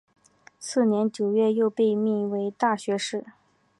次年九月又被命为大学士。